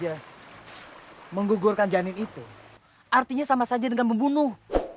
ya menggugurkan janin itu artinya sama saja dengan membunuh